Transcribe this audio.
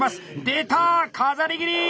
出た「飾り切り」！